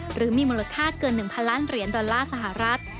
หรือมีมูลค่าเกิน๑๐๐ล้านเหรียญดอลลาร์สหรัฐ